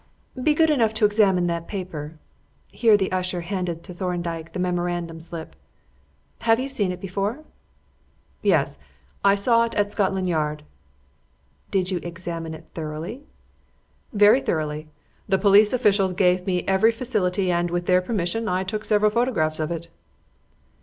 "Be good enough to examine that paper" (here the usher handed to Thorndyke the memorandum slip). "Have you seen it before?" "Yes. I saw it at Scotland Yard." "Did you examine it thoroughly?" "Very thoroughly. The police officials gave me every facility and, with their permission, I took several photographs of it."